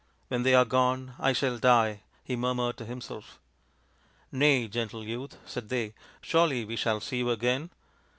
" When they are gone, I shall die," he murmured to himself. " Nay, gentle youth," said they, " surely we shall see you again.